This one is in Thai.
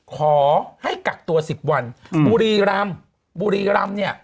ขอให้กักตัว๑๐วันบุรีรำบุรีรำเนี่ย